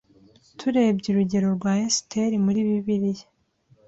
Turebye urugero rwa Esiteri muri Bibiliya